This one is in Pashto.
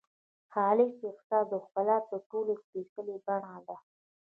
خالص احساس د ښکلا تر ټولو سپېڅلې بڼه ده.